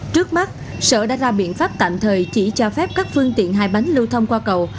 trước mắt sở đã ra biện pháp tạm thời chỉ cho phép các phương tiện hai bánh lưu thông qua cầu